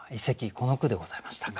この句でございましたか。